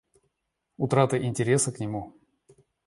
Утрата интереса к нему.